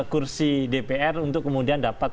sembilan puluh satu kursi dpr untuk kemudian dapat